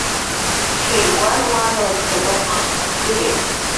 Jir wanwan narqus atx'iri